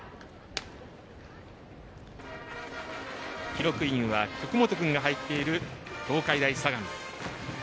記録員は曲本君が入っている東海大相模。